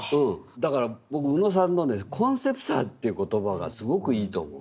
だから僕宇野さんのね「コンセプター」という言葉がすごくいいと思う。